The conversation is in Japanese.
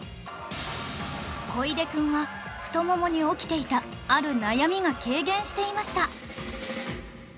小出くんは太ももに起きていたある悩みが軽減していました